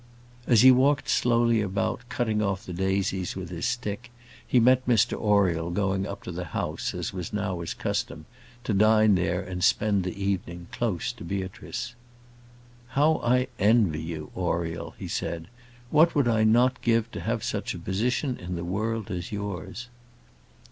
As he walked slowly about, cutting off the daisies with his stick, he met Mr Oriel, going up to the house, as was now his custom, to dine there and spend the evening, close to Beatrice. "How I envy you, Oriel!" he said. "What would I not give to have such a position in the world as yours!"